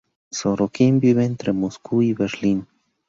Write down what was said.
Sorokin vive entre Moscú y Berlín.